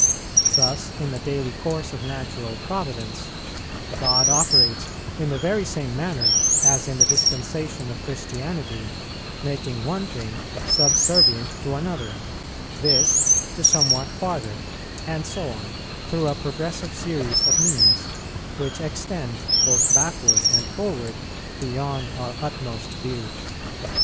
Thus, in the daily course of natural providence, God operates in the very same manner as in the dispensation of Christianity, making one thing subservient to another; this, to somewhat farther; and so on, through a progressive series of means, which extend, both backward and forward, beyond our utmost view.